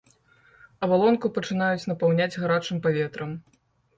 Абалонку пачынаюць напаўняць гарачым паветрам.